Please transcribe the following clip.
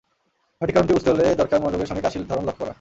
সঠিক কারণটি বুঝতে হলে দরকার মনোযোগের সঙ্গে কাশির ধরন লক্ষ করা।